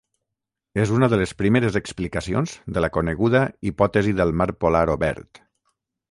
És una de les primeres explicacions de la coneguda hipòtesi del mar polar obert.